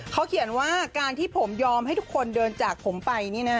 เขาเขียนว่าการที่ผมยอมให้ทุกคนเดินจากผมไป